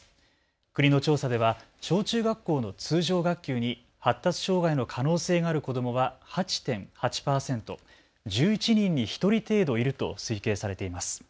国の調査では小中学校の通常学級に発達障害の可能性がある子どもは８．８％、１１人に１人程度いると推計されています。